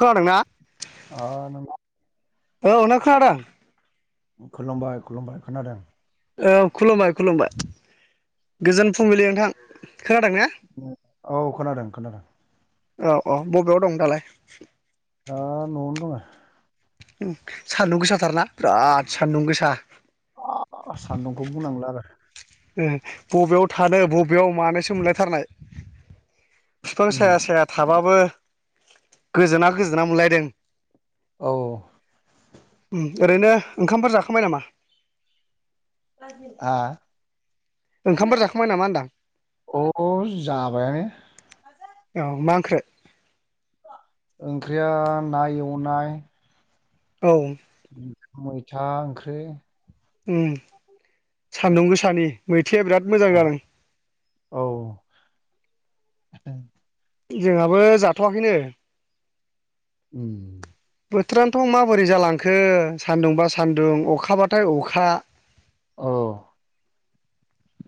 खोनादोंना? आ नंगौ। औ ना खोनादों। खुलुमबाय खुलुमबाय खोनादोंं। औ खुलुमबाय खुलुमबाय गोजोन फुंबिलि नोंथां। खोनादों ना? औ खोनादों खोनादों। औ औ बबेयाव दं दालाय? आ न'आवनो दङो। सान्दुं गोसाथारना बिराद सान्दुं गोसा। सानदुंखौ बुंनांला आरो। उम बबेयाव थानो बबेयाव मानोसो मोनलाय थारनाय। बिफां उम साया साया थाबाबो गोजोना गोजोना मोनलायदों। औ ओरैनो ओंखामफोर जाखांबाय नामा? [inaudible] ओंखामफोर जाखांबाय नामा होनदां अ' जाबायानो। औ मा ओंख्रि? ओंख्रिया ना एवनाय। औ। मैथा ओंख्रि। उम सान्दुं गोसानि। बिराद मोजां जादों। औ [inaudible] जोंहाबो जाथ'वाखैनो। उम। बोथोरानोथ' माबोरै जालांखो सान्दुंबा सान्दुं अखाबाथाय अखा। औ।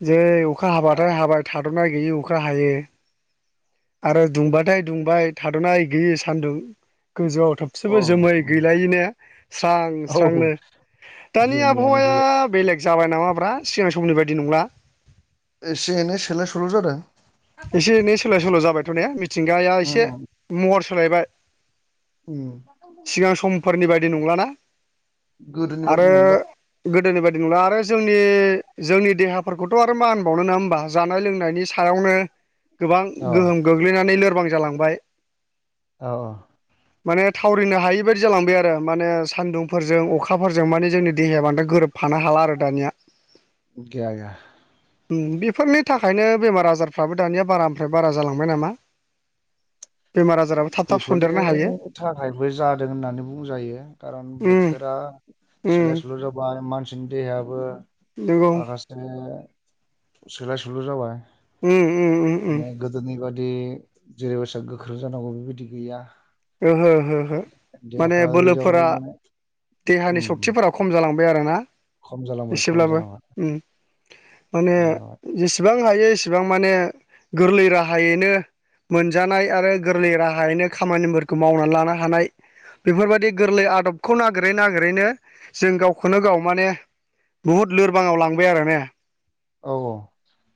जै अखा हाबाथाय हाबाय थाद'नाय गैयि अखा हायो। आरो दुंबाथाय दुंबाय थाद'ना गैयि सान्दुं। गोजौआव औ थोबसेबो जोमै उम, गैलायैनो स्रां औ स्रांनो। दानि जोमैयानो आबहावाया गैया बेलेग जाबाय नामाब्रा सिगां समनि बायदि नंला। एसे एने सोलाय सल' जादों। एसे एनै सोलाय सोल' जाबायथ' ने मिथिंगाया एसे उम महर सोलायबाय। उम सिगां समफोरनि बायदि नंलाना। गोदोनि आरो बादि नंला गोदोनि बायदि नोंला आरो जोंनि जोंनि देहाफोरखौथ' आरो मा होनबावनो नङा होमबा जानाय लोंनायनि सायावनो गोबां अ औ गोहोम गोग्लैनानै लोरबां जालांबाय। औ औ। माने थावरिनो हायि बायदि जालांबाय आरो माने सान्दुंफोरजों अखाफोरजों माने जोंनि देहाया बांद्राय गोरोब फानो हाला आरो दानिया। गैया गैया। बेफोरनि थाखायनो बेमार आजारफ्राबो दानिया बारानिफ्राय बारा जालांबाय नामा। [inaudible] बेफोरनि हायो थाखायबो जादों होननानै बुंजायो खारन उम बोथोरा उम सोलाय सोलाय जाबा मानसिनि देहायाबो नंगौ माखासे सोलाय सोल' जाबाय उम उम उम उम गोदोनि बादि। जेरैबायदि गोख्रों जानांगौ बेबायदि गैया। ओहो ओहो माने देहाफ्रा ओरै जाबाय बोलोफोरा माने देहानि उम सक्तिफोरा खम जालांबाय। आरोना खम जालांबाय खम एसेब्ला जालांबाय माने खम जाबाय जेसेबां हायो इसेबां माने गोरलै राहायैनो मोनजानाय आरो गोरलै राहायैनो खामानिफोरखौ मावनानै लानो हानाय। बेफोरबायदि गोरलै आदबखौ नागिरै नागिरैनो जों गावखौनो गाव माने बहुद लोरबाङाव लांबाय आरो ने औ औ।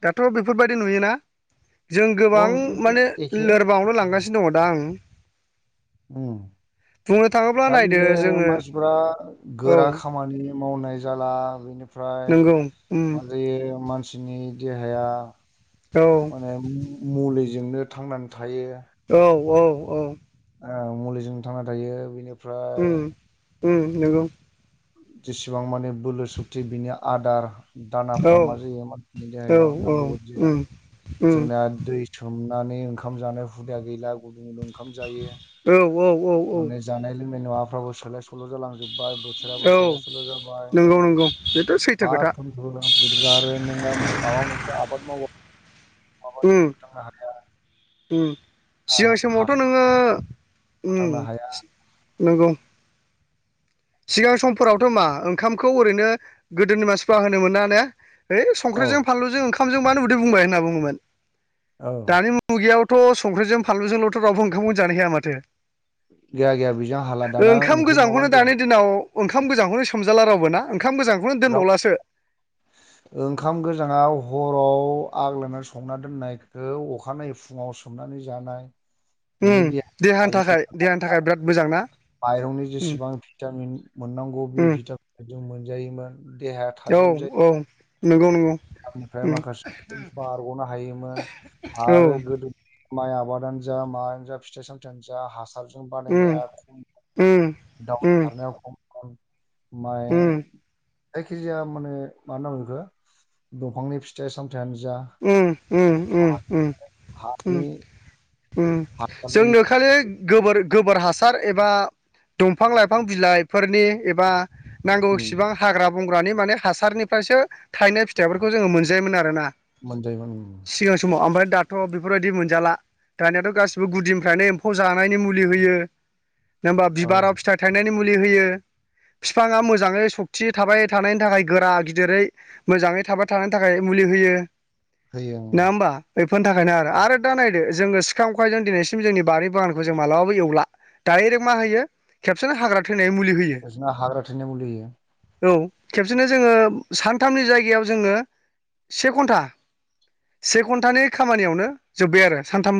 दाथ' बेफोरबायदि नुयोना। जों औ गोबां माने बे एखे लोरबाङाआवनो लांगासिनो दङ दा आं औ। बुंनो थाङोब्ला। दा नायदो बिदिनो जोङो मानसिफोरा औ गोरा खामानि मावनाय जाला बेनिफ्राय नंगौ उम मा जायो मानसिनि देहाया औ माने मुलिजोंनो थांनानै थायो। औ औ औ ओ मुलिजों थांना थायो बिनिफ्राय उम उम नंगौ। जेसेबां माने बोलो सुक्ति बिनि आदार औ दानाफ्रा मा जायो मानसिनि औ देहायाव औ नांगौ बाददि जाया उम उम जोंना दै सोम नानै ओंखाम जानाय हुदाया गैला गुदुं गुदुं ओंखाम जायो। औ औ औ औ माने जानाय लोंनाय मुवाफ्राबो सोलाय सोल' जालांजोब बाय बोथोराबो औ सोलाय सल जाबाय नंगौ नंगौ बेथ' सैथो हा खोथा [unintelligible] ' बिदिब्ला आरो नोङो माबा मोनसे आबाद मावा मबा उम नोंङो फोथांनो हाखाया। उम सिगां समावथ' नोङो उम फोथांनो हाया नंगौ। सिगां समफोरावथ' मा ओंखामखौ ओरैनो गोदोनि मानसिफ्रा होनो मोना ने? हैओइ औ संख्रिजों फानलुजों ओंखामजों बानो उदै बुंबाय होनना बुङोमोन औ दानि मुगायाव। थ' संख्रिजों फानलुजोंल'थ' रावबो ओंमखौनो जानो हाया माथो। गैया गैया बेजों हाला दाना ओंख्रि नङाबानो जाया। उनाव ओंखाम गोजांखौनो सोमजाला रावबो ना ओंखाम गोजांखौनो राव दोनबावलासो। ओंखाम गोजाङाव हराव आग्लायनानै संना दोननायखौ अखानायै फुङाव सोमनानै जानाय। बिनि उम देहा देहानि थाजिम थाखाय देहानि थाखाय जानाय, बिराद मोजां ना? माइरंनि उम जेसेबां भिटामिन मोननांगौ बे उम भिटामिन, जों मोनजायोमोन देहाया औ थाजिमजा औ नंगौ नंगौ। आनिफ्राय उम माखासे बारग'नो हायोमोन औ आरो गोदो। माइ आबादानो जा मायानो जा फिथाइ सामथायाइानो जा हासार जा उम बानायनाया खम उम दावउ उम खारनाया खम माइ उम जायखि जाया माने मा होना बुंङो बेखौ। दंफांनि फिथाइ साम उम उम उम उम उम हानि उम जोंनो हासारजोंनो खालि गोबोर गोबोर हासार एबा दंफां लाइफां बिलाइफोरनि एबा उम नांगौसिबां हाग्रा बंग्रानि माने हासारनिफ्रायसो थायनाय फिथाइफोरखौ जोङो मोनजायोमोन आरो ना। मोनजायमोन उम। दाथ' बेफोरबायदि मोनजाला। दानियाथ' गासिबो गुदिनिफ्रायनो एम्फौ जानायनि मुलि होयो नङा होमबा औ बिबाराव फिथाइ थाइनायनि। मुलि होयो। बिफाङा मोजाङै सक्ति थाबाय थानायनि थाखाय गोरा गिदिरै मोजाङै थाबाय थानायनि थाखाय मुलि, होयो होयो नङा होमबा बेफोरनि थाखायनो आरो ओं आरो दा नानै जो सिखा खंखायजोंनो दिनैसिम जोंनि बारि बागानखौ जों मालाबाबो एवला दरेक्ट मा होयो खबसेनो हाग्रा थैनाय मुलि होयो इदिनो हाग्रा थैनायनि मुलिहोयो। औ खेबसेनो जोङो सानथामनि जायगायाव जोंनो से घन्टा। से घन्टानि खामानियावनो जोब्बाय आरो सानथाम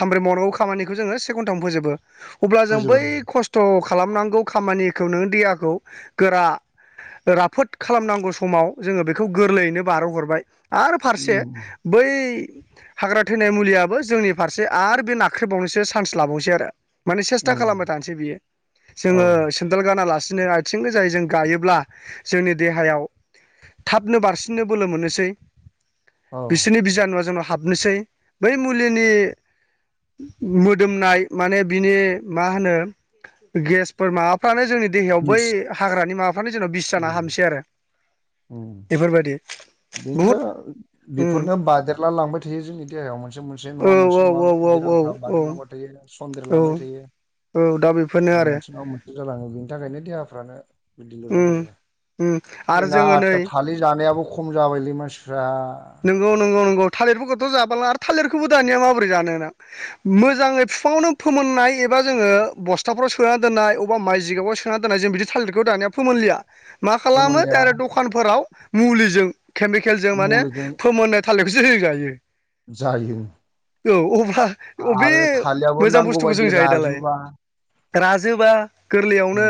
सामब्रै मावनांगौ खामानिखौ जोङो से घन्टामनो फोजोबो अब्ला जों फोजोबो बै खस्थ' खालामनांगौ खामानिखौ नों देहाखौ गोरा राफोद खालामनांगौ समाव जोङो बेखौ गोरलैयैनो बारहोहरबाय आ उम फारसे उम बै हाग्रा थैनाय मुलियाबो जोंनि फारसे आरो बे नाख्रेबावनोसो चान्स लाबावनोसै आरो। माने सेस्था खालामबाय उम, थानोसै बियो औ जोङो सेन्देल गाना लासि सिनो आथिं गोजायै जों गायोब्ला जोंनि देहायाव थाबनो बारसिननो बोलो मोनोसै औ बिसोरनि बिजानुआ जोंनाव। हाबनोसै। बै मुलिनि मोदोमनाय माने बिनि मा होनो गेसफोर मा फ्रानो जोंनि देहायाव बै मिस- हाग्रानि माबाफ्रानो जोंनाव बिस जाना उम हामनोसै आरो। उम एफोर बादि। बेनोथ' बेफोरनो बादेरला लांबाय थायो जोंनि देहायाव मोन से मोनसे औ नङा मोनसे नङा बेरामफ्रा औ बाददेरलांबाय थायो। सन्देरलांबाय औ थायो। औ दा बेफोरनो उनाव आरो मोनसे नङा मोनसे जालाङो बेनि थाखायनो देहाफ्रानो [unintelligible] उम उम आरो जोंना जोङो आथिया नै थालिर जानायाबो खम जाबायलै मानसिफ्रा। नंगौ नंगौ नंगौ थालिरफोरखौथ' जा थालार आरो थालेरखौबो दानिया माबोरै जानोना? मोजाङै बिफाङावनो फोमोननाय एबा जोङो बस्थाफोराव सोनान दोननाय अबा माइ जिगाबाव सोना दोननाय जों बिदि थालिरखौ दानिया फोमोनलिया। मा खालामो गोमोनलाया दाइरेक्ट दखानफोराव मुलिजों केमिकेलजों माने मुलिजों फोमोनो थालेर खोसो जों जायो। जायो। औ अब्ला अबे आरो थालियाबो मोजां बुस्थुखौ नांगौबायदि जों जायो दालाय? राजुबा राजोबा गोरलैयावनो उम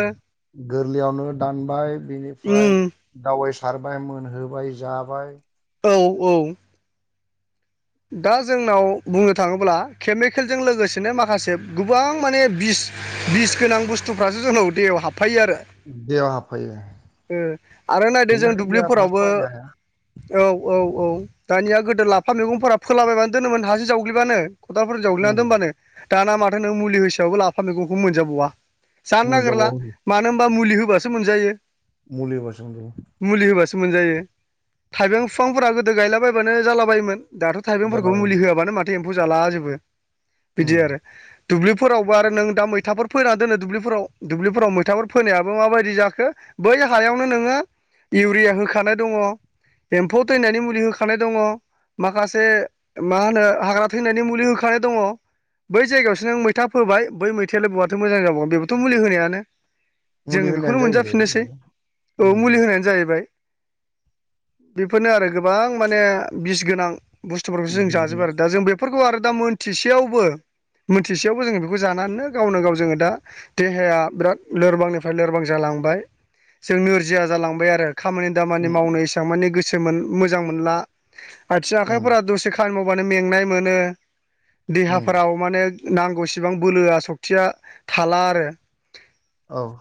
गोरलैयावनो दानबाय बिनिफ्राय उम दावेस सारबाय मोनहोबाय जाबाय। औ औ। दा जोंनाव बुंनो थांङोब्ला केमिकेलजों लोगोसेनो माखासे गोबां माने बिस बिस गोनां बुस्थुफ्रासो जोंनाव दैेहायाव हाब देहायाव हाबफायो। ओ आरो नायदो बेनि जों थाखायनो देहाफ्रा दुब्लिफोरावबो सहायनो हाया औ औ औ दानिया गोदो लाफा मैगंफोरा फोलाबायबानो दोनोमोन हाजों जावग्लिबानो। खदालफोर जावग्लिना उम दोनबानो। दाना माथो नों मुलि होसेयावबो लाफा मैगंखौ मोनजाबावा। जानो नागेरला मोनजाबावो मानो होमबा मुलि होबासो मोनजायो। मुलि होबासो मोनजायो। मुलि होबासो मोनजायो। थाइबें फिफांफोरा गोदो गायलाबायबानो जालाबायायोमोन। दा थाइबेंफोरखौबो मुलि जालाबायोमोन होआबानो माथो एम्फौ जालाजोबो उम बिदि आरो। दुब्लिफोरावबो आरो नों दा मैथाफोर फोनानै दोनो दुब्लिफोराव दुब्लिफोराव मैथाफोर फोनायाबो माबादि जाखो? बै हायावनो नोङो इउरिया होखानाय दङ। एम्फौ थैनानि मुलि होखानाय दङ। माखास से मा होनो हाग्रा थैनायनि मुलि होखानाय दङ। बै जायगायावसो नों मैथा फोबाय बै मैथायालाय बहाथ' मोजां जाबावनो। बेबोथ' मुलि होनायानो। जों मुलि बेखौनो होनायानो मोनजाफिननोसै। जाहैबाय औ उम मुलि होनायानो जाहैबाय। बेफोरनो आरो गोबां माने बिस गोनां बुस्थुफोरखौसो जों जाजोबो बिदिना आरो दा जों बेफोरखौ आरो दा मोनथिसेयावबो मोनथिसेयावबो जोङो बेखौ जानानैनो गावनो गाव जोङो दा देहाया बिराद लोरबांनिफ्राय लोरबां जाला लांबाय जों नोरजिया जालांबाय आरो। खामानि दामानि उम मावनो एसां माने गोसो मोन मोजां मोनला। आथिं उम आखाइफोरा दसे खामानि माव बानो मेंनाय मोनो। उम देहाफोराव माने नांगौसिबां बोलोआ सक्तिया थाला आरो। औ।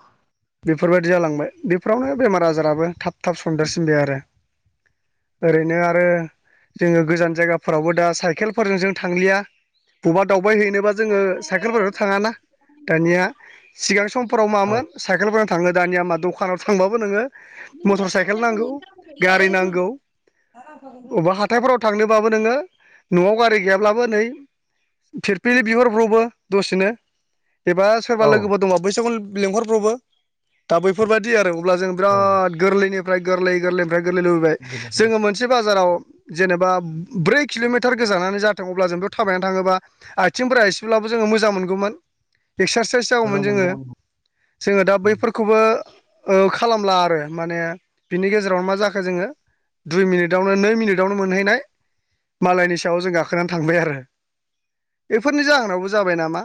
बेफोरबादि जालांबाय बेफोरावनो बेमार आजाराबो थाब थाब सनदेरसिनबाय आरो। ओरैनो आरो जोङो गोजान जायगाफोरावबो दा साइकेलफोरजों जों थांलिया। बबा दाव बाय हैनोबा जोङो साइकेलफोरावथ' थांङाना। दानिया सिगां समफोराव औ मामोन साइकेलफोराव थाङो दानिया मा दखानाव थांबाबो नोंङो नोंनिया साताया गंनै गारि जाबोबायलै। दा लांफागोन र'। फोराव थांनोबाबो नोङो न'आव गारि गैयाब्लाबो नै फिरफिलि बिहरब्र'बो दसेनो। एबा सोरबा औ लोगोफोर दंङब्ला बैसोरखौ लेंहरब्रबो दा बैफोरबायदि आरो अब्ला जों औ बिराद गोरलैनिफ्राय गोरलै गोरलैनिफ्राय गोरलै लुबैबाय गोजोनथों जोङो मोनसे बाजाराव जेनेबा ब्रै किल'मिटार गोजानानो जाथों अब्ला जोंथ थाबायनानै थाङोबा आथिंफोरा एसेब्लाबो जोङो मोजां मोनगौमोन एक्सारसाइस जागौमोन मोजां मोनगौमोन जोङो-जोङो दा बैफोरखौबो ओ खालामला आरो माने बिनि गेजेरावनो मा जाखो जोङो दुइ मिनिटावनो नै मिनिट बेयावनो मोनहैनाय मालायनि सायाव जों गाखोनानै थांबाय आरो बेफोरनि जाहोनावबो जाबाय नामा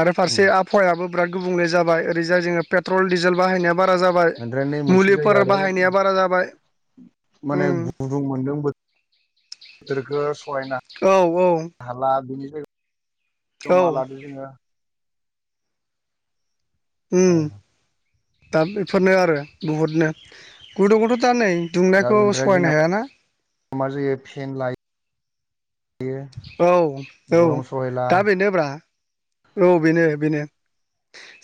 आरो फारसे उम, आबहावायाबो बिराद गुबुंले जाबाय ओरैजाय जोङो पेट्रल डिजेल बाहायनायाबो बारा जाबाय ओमफ्राय नै मोनसे मुलिफोर जायो आरो बाहायनाया बारा जाबाय उम माने गुदुं मोनदों बो- बोथोरखो सहायनो औ औ हाला बेनिफ्राय औ जमा लादो जोङो औ। ओम दा बेफोरनो आरो बुहुदनो गथ'खौथ' दा नै दा दुंनायखौ बेनिफ्राय जोंना सहायनो हायाना मा जायो फेन लायो औ-औ गरम सहायला दा बेनो ब्रा औ बेनो-बेनो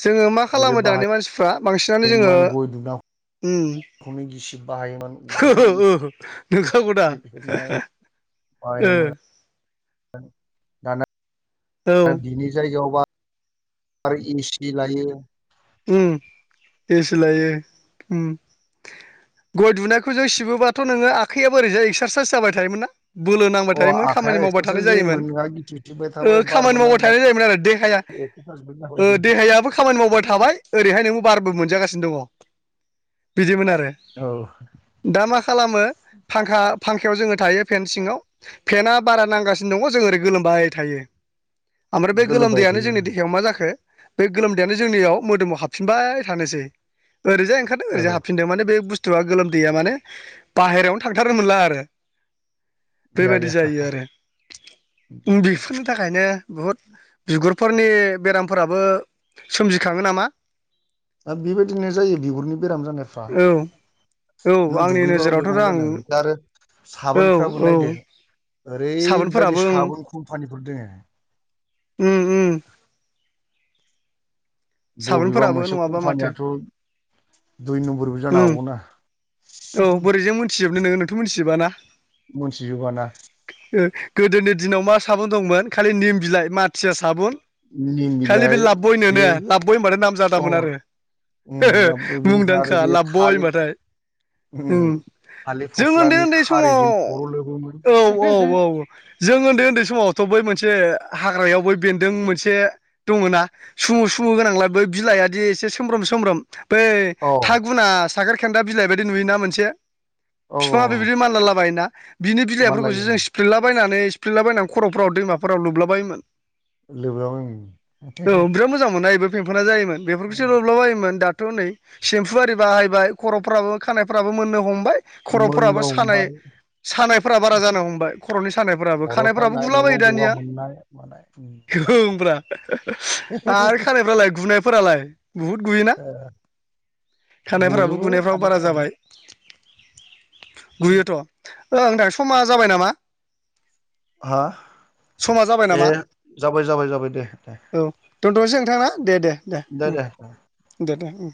जोङो मा गोदो खालामो दानि मानसिफ्रा बांसिनानो जोङो बाहायोमोन गय उम [unintelligible] नंखागौ दा गिसिब हेबनाय ओ बाहायोमोन दाना औ बिनि जायगायाव [unintelligible] ओम एसि लायो ओम गय दुनायखौ जों सिबोबाथ' नोङो आखाइआबो ओरैजाय एक्सारसाइस जाबाय थायोमोन ना बोलो नांबाय अ थायोमोन खामानि आखाइया मावबाय एक्सारसाइस थानाय जायोमोन नोंहा गिथिबथिबाय ओ थाबाय बारबो खामानि मावबाय नांबाय थानाय जायोमोन आरो देहाया एक्सारसाइसबो ओ जाबायमोन देहायाबो खामानि मावबाय थाबाय ओरैहाय नोंबो बारबो मोनजागासिनो दङ बिदिमोन आरो औ दा मा खालामो फांखा- फांखायाव जोङो थायो फेन सिङाव फेनआ बारा नांगासिनो दङ जों ओरै गोलोमबाय थायो ओमफ्राय बे गोलोमबाय गोलोमदैयानो थायो जोंनि देहायाव मा जाखो बे गोलोमदैयानो जोंनियाव मोदोमाव हाबफिनबाय थानोसै ओरैजाय ओंखारदों ओरैजाय औ हाबफिनदों माने बे बुस्थु बुस्थुआ गोलोमदैया माने बाहेरायावनो थांथारनो मोनला आरो गैया बेबायदि गैया जायो आरो ओम बेफोरनो बिनि थाखायनो बुहुद बिगुरफोरनि बेरामफोराबो सोमजिखाङो नामा दा बेबायदिनो जायो बिगुरनि बेराम जानायफ्रा औ औ नों आंनि नोजोरावथ' दुगैबाल'मा आं जानो बेखौ आरो औ साबोनफ्राबो नायदो औ साबोनफोराबो ओरैबायदि साबोन कम्पानिफोर दोङो ओम-ओम बबेबा मोनसे माथो कम्पानियाथ' दुइ नम्बरबो जानो उम हागौना औ बोरैजों मोनथिजोबनो नोङो नोंथ' मोनथिजोबाना मोनथिजोबाना ओ गोदोनि दिनाव मा साबुन दंमोन खालि निम बिलाइ माथिया साबुन निम खालि बे बिलाइ लाब बय नो बे ना लाबब'य होनबाथाय नाम अ जादामोन आरो उम बेनिफ्राय आरो मुंदांखा बे लाबब'य थालिर होनबाथाय उम ओम थालिर जों फस्लानि उन्दै-उन्दै समाव खारैजों खर' लोबोमोन औ-औ-औ जों उन्दै-उन्दै समावथ' बै मोनसे हाग्रायाव बै बेन्दों मोनसे दङना सुमु -सुमु गोनांलाय बै बिलाइयादि एसे सोमब्रोम-सोमब्रोम बै औ थागुना साखेर खेन्दा बिलाइ बायदि नुयोना मोनसे औ बिफाङा औ बेबायदि मानलालाबायोना बिनि बिलाइफोरखौसो मानलायो जों सिफ्लिलाबायनानै-सिफ्लिलाबायनानै खर'फोराव दैमाफोराव लोबलाबायोमोन [unintelligible] नायबो फेंफोना जायोमोन बेफोरखौसो लोबलाबायोमोन दा दाथ'नै सेम्फु आरि बाहायबाय खर'फ्राबो खानायफ्राबो मोननो हम बाय खर'फोराबो मोनबो सानाय हमबाय सानायफोरा बारा जानो हमबाय खर'नि सानायफोराबो खर' खानायफोराबो सानाय बबेबा गुलाबायो गगा दानिया मोननाय मानाय ओं ब्रा आरो खानायफ्रालाय गुनायफोरालाय बुहुद गुयोना खानायफ्राबो गजोबो गुनायफ्राबो बारा खानायफोराबो जाबाय गुयोथ' ओं दा समा जाबाय नामा हा समा जाबाय ए नामा जाबाय जाबाय जाबाय दे दे नोंथाङा दे दे दे दे दे